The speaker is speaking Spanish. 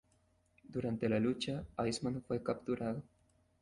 Durante la lucha, Iceman fue capturado.